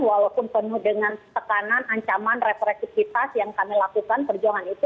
walaupun penuh dengan tekanan ancaman refleksivitas yang kami lakukan perjuangan itu